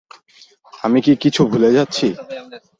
আমি কি কিছু ভুলে যাচ্ছি?